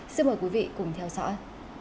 xin mời quý vị cùng theo dõi